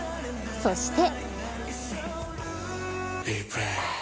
そして。